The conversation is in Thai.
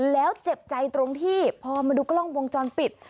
แล้วเจ็บใจตรงที่พอมาดูกล้องวงจรปิด